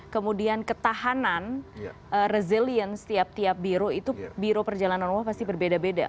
kemudian ketahanan resilience tiap tiap biro itu biro perjalanan umroh pasti berbeda beda